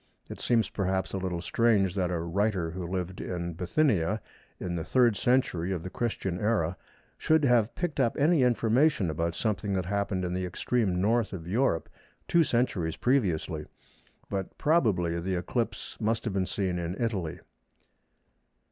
It seems, perhaps, a little strange that a writer who lived in Bithynia in the 3rd Century of the Christian Era should have picked up any information about something that happened in the extreme North of Europe two centuries previously. But probably the eclipse must have been seen in Italy.